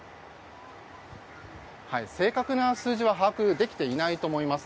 正確な数字は把握できていないと思います。